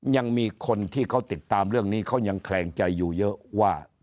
ยังมีคนที่เขาติดตามเรื่องนี้เขายังแขลงใจอยู่เยอะว่า